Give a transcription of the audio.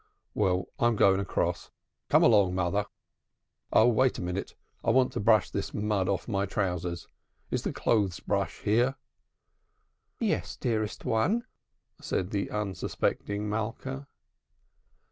"Well, I'm going across. Come along, mother. Oh, wait a minute. I want to brush this mud off my trousers. Is the clothes brush here?" "Yes, dearest one," said the unsuspecting Malka.